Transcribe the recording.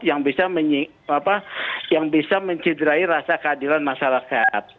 yang bisa mencederai rasa keadilan masyarakat